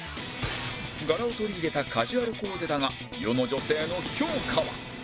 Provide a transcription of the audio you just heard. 柄を取り入れたカジュアルコーデだが世の女性の評価は？